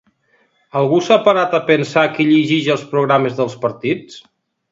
Algú s’ha parat a pensar qui llegeix els programes dels partits?